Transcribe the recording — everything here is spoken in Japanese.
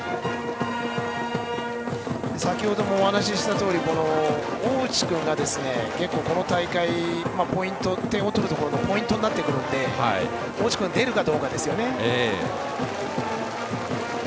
先ほどもお話したとおり大内君が結構、この大会点を取るところでポイントになってくるので大内君が出るかどうかですよね。